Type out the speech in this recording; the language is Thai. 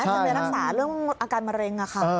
จะไปรักษาเรื่องอาการมะเร็งค่ะ